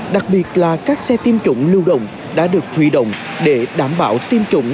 đặc biệt là các xe tiêm chủng lưu động đã được huy động để đảm bảo tiêm chủng